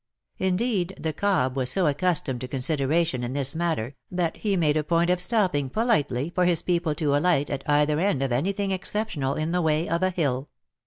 Indeed, the cob was so accustomed to consideration in this matter, that he made a point of stopping politely for his people to alight at either end of anything exceptional in the way of a hill.